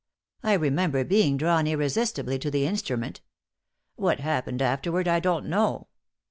I remember being drawn irresistibly to the instrument. What happened afterward I don't know.